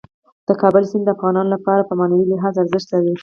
د کابل سیند د افغانانو لپاره په معنوي لحاظ ارزښت لري.